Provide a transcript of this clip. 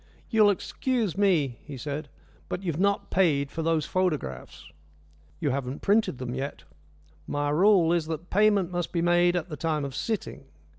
"You'll excuse me," he said, "but you've not paid for those photographs." "You haven't printed them yet." "My rule is that payment must be made at the time of sitting."